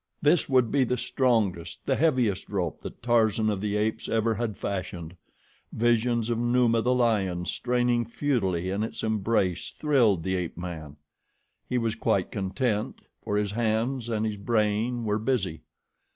This would be the strongest, the heaviest rope that Tarzan of the Apes ever had fashioned. Visions of Numa, the lion, straining futilely in its embrace thrilled the ape man. He was quite content, for his hands and his brain were busy.